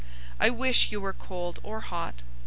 I wish you were cold or hot.